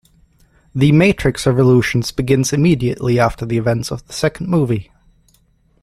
"The Matrix Revolutions" begins immediately after the events of the second movie.